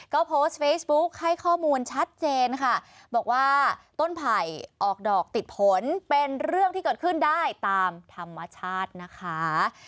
ก็โพสต์เฟซบุ๊คให้ข้อมูลชัดเจนค่ะบอกว่าต้นไผ่ออกดอกติดผลเป็นเรื่องที่เกิดขึ้นได้ตามธรรมชาตินะคะ